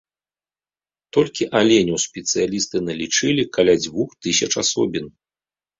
Толькі аленяў спецыялісты налічылі каля дзвюх тысяч асобін.